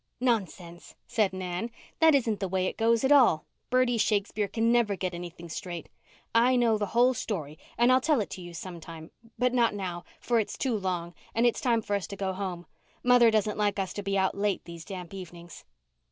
"Nonsense," said Nan. "That isn't the way it goes at all. Bertie Shakespeare can never get anything straight. I know the whole story and I'll tell it to you some time, but not now, for it's too long and it's time for us to go home. Mother doesn't like us to be out late these damp evenings."